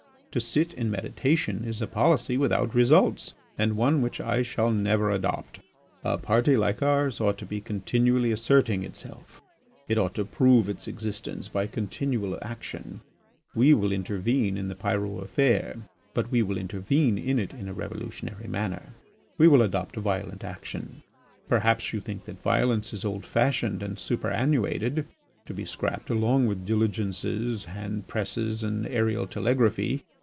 To sit in meditation is a policy without results and one which I shall never adopt. "A party like ours ought to be continually asserting itself. It ought to prove its existence by continual action. We will intervene in the Pyrot affair but we will intervene in it in a revolutionary manner; we will adopt violent action. ... Perhaps you think that violence is old fashioned and superannuated, to be scrapped along with diligences, hand presses and aerial telegraphy.